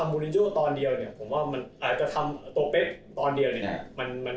บูริโย่จะทำตัวเป๊พตัวเดียวเนี่ย